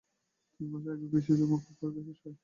তিন মাস আগে এই বিসিএসের মৌখিক পরীক্ষা শেষ হয়।